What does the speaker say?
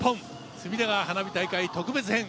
隅田川花火大会特別編。